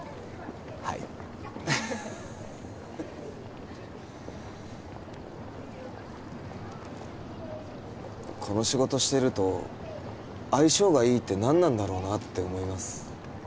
はいこの仕事してると相性がいいって何なんだろうなって思います